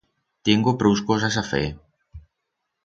Tiengo prous cosas a fer